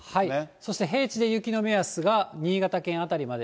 そして平地で雪の目安が新潟県辺りまで。